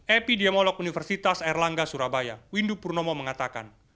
epidemiolog universitas erlangga surabaya windu purnomo mengatakan